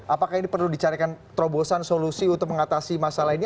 apakah ini perlu dicarikan terobosan solusi untuk mengatasi masalah ini